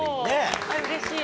うれしい。